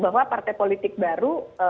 bahwa partai politik baru